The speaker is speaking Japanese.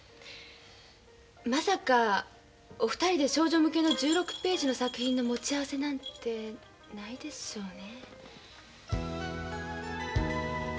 まさかお二人で少女向けの１６ページの作品の持ち合わせなんてないでしょうね？